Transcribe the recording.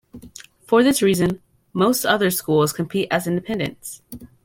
For this reason, most other schools compete as independents.